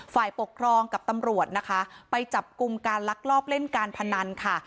ฝ่ายปกครองกับตำรวจนะคะไปจับกลุ่มการลักลอบเล่นการพนันค่ะ